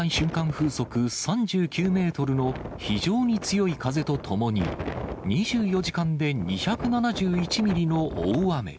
風速３９メートルの非常に強い風とともに、２４時間で２７１ミリの大雨。